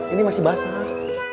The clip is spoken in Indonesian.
ini masih basah